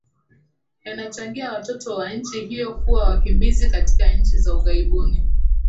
yanachangia watoto wa nchi hiyo kuwa wakimbizi katika nchi za ughaibuni